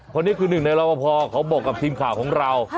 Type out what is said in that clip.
เพราะนี่คือหนึ่งในรอปภเขาบอกกับทีมข่าวของเรา